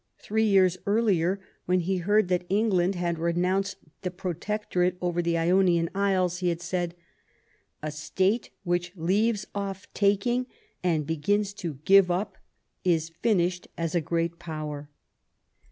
Three years earlier, when he heard that England had renounced the Protectorate over the Ionian Isles, he had said :" A State which leaves off taking, and begins to give up, is finished as a great Power."